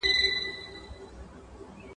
که سهار وو که ماښام جګړه توده وه ..